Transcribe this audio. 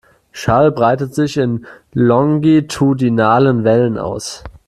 Schall breitet sich in longitudinalen Wellen aus.